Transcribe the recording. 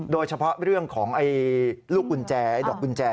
โดยเฉพาะเรื่องของลูกกุญแจดอกกุญแจ